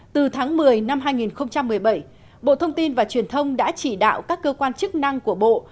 từ tháng một mươi năm hai nghìn một mươi bảy bộ thông tin và truyền thông đã chỉ đạo các cơ quan chức năng của bộ